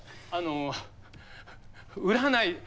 あの売らない。